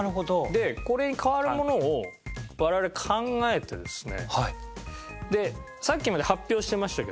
でこれに代わるものを我々考えてですね。